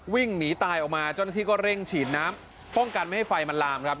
วิ่งหนีตายออกมาเจ้าหน้าที่ก็เร่งฉีดน้ำป้องกันไม่ให้ไฟมันลามครับ